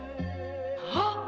「はっ！」